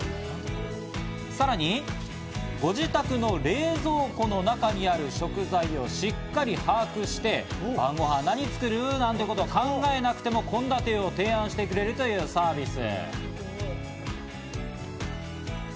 さらに、ご自宅の冷蔵庫の中にある食材をしっかり把握して、晩ごはん何作る？なんてことを考えなくても献立を提案してくれるというサービス。